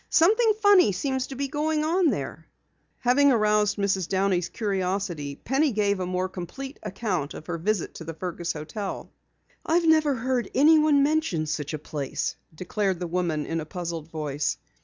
Something funny seems to be going on there." Having aroused Mrs. Downey's curiosity, Penny gave a more complete account of her visit to the Fergus hotel. "I've never heard anyone mention such a place," declared the woman in a puzzled voice.